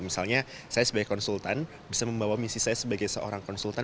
misalnya saya sebagai konsultan bisa membawa misi saya sebagai seorang konsultan